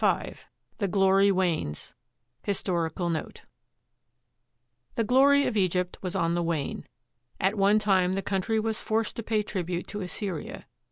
I' V THE GLORY WANES HISTORICAL NOTE The glory of Egypt was on the wane. At one time the coun try was forced to pay tribute to Assyria.